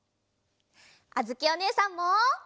あづきおねえさんも！